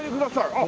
あっ！